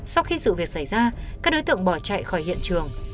sau khi sự việc xảy ra các đối tượng bỏ chạy khỏi hiện trường